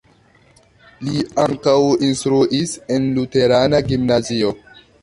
Li ankaŭ instruis en luterana gimnazio.